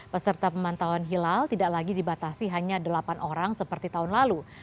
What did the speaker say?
peserta pemantauan hilal tidak lagi dibatasi hanya delapan orang seperti tahun lalu